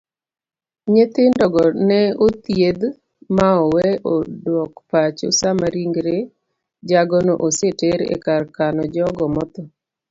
Nyithindogo ne othiedh maowe odok pacho sama ringre jagono oseter ekar kano jogo mothoo.